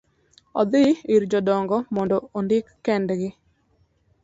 odhi ir jodongo mondo ondik kendgi.